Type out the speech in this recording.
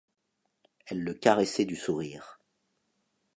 Elle le caressait du sourire.